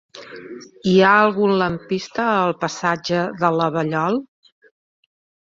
Hi ha algun lampista al passatge de Llavallol?